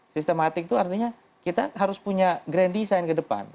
sistematik itu artinya kita harus punya grand design ke depan